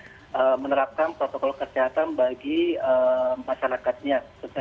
bahwa moskow memang menerapkan protokol kesehatan bagi masyarakatnya